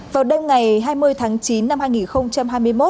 vào đêm ngày hai mươi tháng chín năm hai nghìn hai mươi một